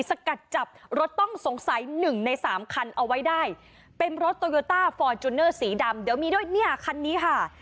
สกัดจับรถต้องสงสัยหนึ่งในสามคันเอาไว้ได้เป็นรถโตโยต้าฟอร์จูเนอร์สีดำเดี๋ยวมีด้วยเนี่ยคันนี้ค่ะ